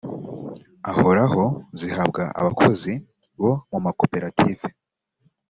ahoraho zihabwa abakozi bo mumakoperative